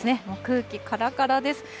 もう空気からからです。